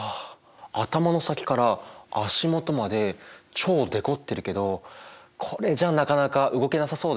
頭の先から足元まで超デコってるけどこれじゃなかなか動けなさそうだよね。